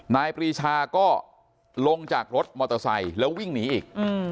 นายปรีชาก็ลงจากรถมอเตอร์ไซค์แล้ววิ่งหนีอีก